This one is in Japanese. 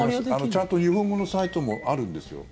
ちゃんと日本語のサイトもあるんですよ。